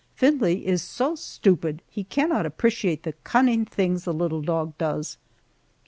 Findlay is so stupid he cannot appreciate the cunning things the little dog does.